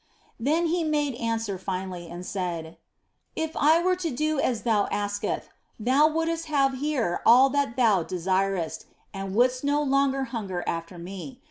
Then He made answer finally and said : "If I were to do as thou askest, thou wouldst have here all that thou desirest, and wouldst no longer hunger after Me.